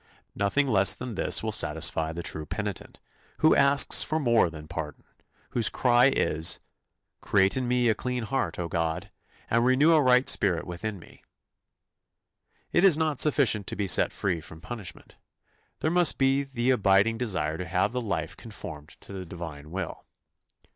Nothing less than this will satisfy the true penitent, who asks for more than pardon, whose cry is, "Create in me a clean heart, O God; and renew a right spirit within me." It is not sufficient to be set free from punishment, there must be the abiding desire to have the life conformed to the Divine will.